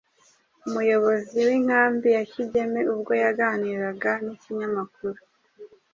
umuyobozi w’inkambi ya Kigeme ubwo yaganirag n’ikinyamakuru